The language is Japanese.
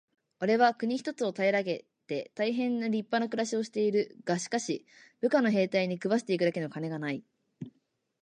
「おれは国一つを平げて大へん立派な暮しをしている。がしかし、部下の兵隊に食わして行くだけの金がない。」